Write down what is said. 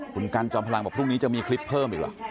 คุณกันจอมพลังบอกพรุ่งนี้จะมีคลิปเพิ่มอีกหรอ